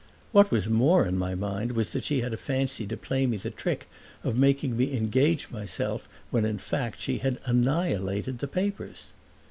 What was more in my mind was that she had a fancy to play me the trick of making me engage myself when in fact she had annihilated the papers.